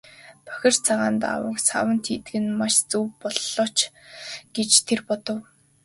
Бохир цагаан даавууг саванд хийдэг нь маш зөв боллоо ч гэж тэр бодов.